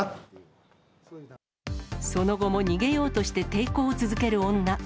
その後も逃げようとして抵抗を続ける女。